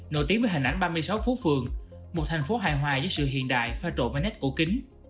nổi tiếng với hình ảnh ba mươi sáu phú phường một thành phố hài hoài với sự hiện đại pha trộn với nét cổ kính